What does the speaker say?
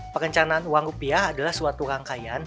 perencanaan uang rupiah adalah suatu rangkaian